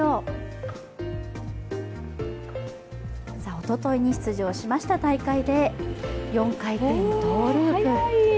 おとといに出場しました大会で４回転トゥループ。